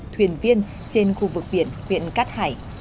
thuyền viên trên khu vực biển viện cát hải